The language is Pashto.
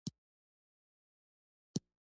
په افغانستان کې باران شتون لري.